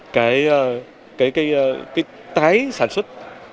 để cái tái sản xuất